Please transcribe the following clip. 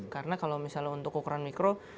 karena kalau misalnya untuk ukuran mikro